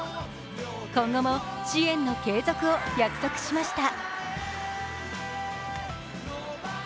今後も支援の継続を約束しました。